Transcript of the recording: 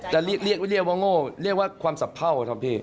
แล้วเรียกว่าโง่เรียกว่าความสับเภาครับพี่